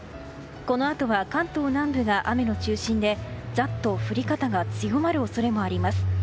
このあとは関東南部が雨の中心でザッと降り方が強まる恐れもあります。